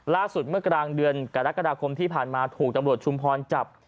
เมื่อกลางเดือนกรกฎาคมที่ผ่านมาถูกตำรวจชุมพรจับ